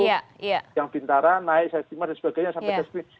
yang bintaran naik seksimal dan sebagainya sampai gasus